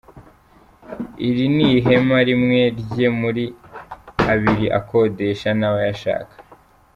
Iri ni ihema rimwe rye muri abiri akodesha n’abayashaka.